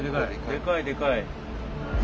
でかいでかい。